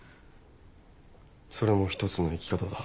それも一つの生き方だ。